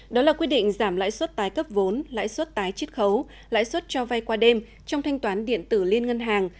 đó là quy định giảm lãi suất tái cấp vốn lãi suất tái chích khấu lãi suất cho vay qua đêm trong thanh toán điện tử liên ngân hàng